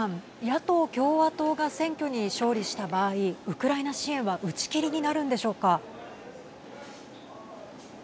野党・共和党が選挙に勝利した場合ウクライナ支援は打ち切りになるんでしょうか。